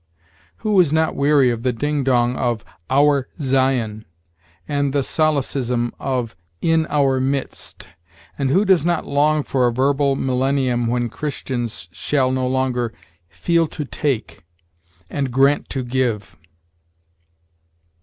Who is not weary of the ding dong of 'our Zion,' and the solecism of 'in our midst'; and who does not long for a verbal millennium when Christians shall no longer 'feel to take' and 'grant to give'?"